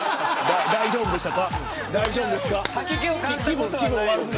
大丈夫でしたか。